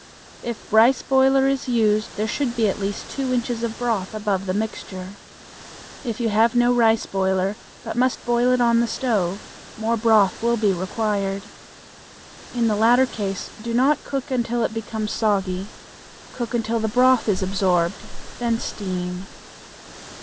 If rice boiler is used there should be at least two inches of broth above the mixture. If you have no rice boiler, but must boil it on the stove, more broth will be required. In the latter case do not cook until it becomes soggy. Cook until the broth is absorbed, then steam.